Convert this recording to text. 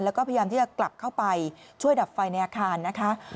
แล้วก็พยายามที่จะกลับเข้าไปช่วยดับไฟในอาคารนะคะ